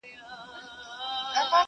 ژوند د ازموينو لړۍ ده,